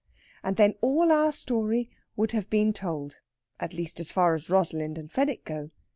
And then all our story would have been told at least, as far as Rosalind and Fenwick go.